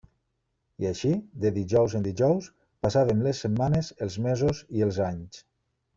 I així, de dijous en dijous, passàvem les setmanes, els mesos i els anys.